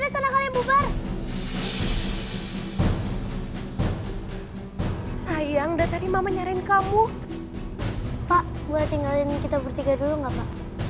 sayang dari mama nyariin kamu pak buat tinggalin kita bertiga dulu enggak pak